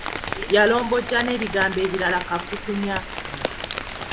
Yalombojja n'ebigambo ebirala kafukunya.